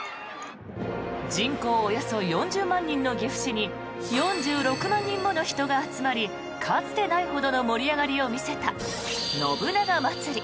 人口およそ４０万人の岐阜市に４６万人もの人が集まりかつてないほどの盛り上がりを見せた、信長まつり。